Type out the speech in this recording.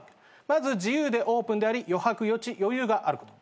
まず自由でオープンであり余白余地余裕があること。